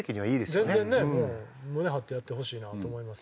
全然ねもう胸張ってやってほしいなと思いますね。